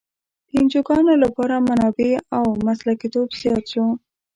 د انجوګانو لپاره منابع او مسلکیتوب زیات شو.